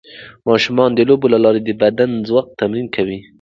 ماشومان د لوبو له لارې د بدني ځواک تمرین کوي.